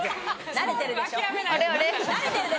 慣れてるでしょ。